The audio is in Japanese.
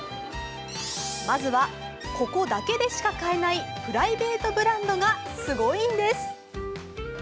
まずは、ここだけでしか買えないプライベートブランドがすごいんです！